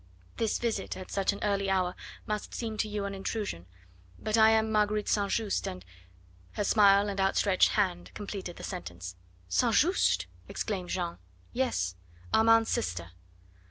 "This visit at such an early hour must seem to you an intrusion. But I am Marguerite St. Just, and " Her smile and outstretched hand completed the sentence. "St. Just!" exclaimed Jeanne. "Yes. Armand's sister!"